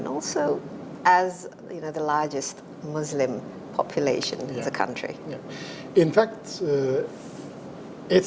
dan juga sebagai populasi muslim yang paling besar